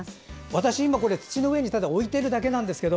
私、土の上に置いているだけなんですけど。